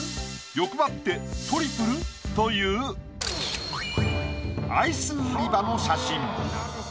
欲張ってトリプル？というアイス売り場の写真。